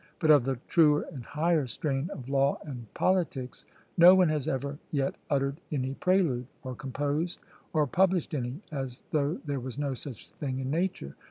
But of the truer and higher strain of law and politics, no one has ever yet uttered any prelude, or composed or published any, as though there was no such thing in nature.